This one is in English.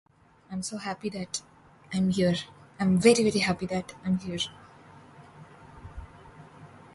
Steinberger was attacked in the mainstream East German press.